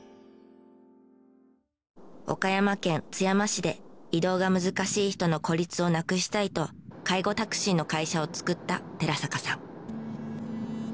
岡山県津山市で移動が難しい人の孤立をなくしたいと介護タクシーの会社を作った寺坂さん。